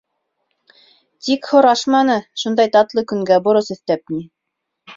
Тик һорашманы, шундай татлы көнгә борос өҫтәп ни.